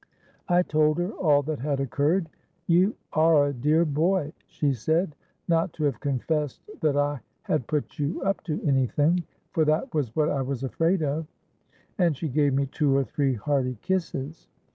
I told her all that had occurred. 'You are a dear boy,' she said 'not to have confessed that I had put you up to any thing; for that was what I was afraid of:'—and she gave me two or three hearty kisses.